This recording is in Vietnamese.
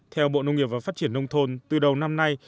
theo bộ nông nghiệp và phát triển nông thôn từ đầu năm nay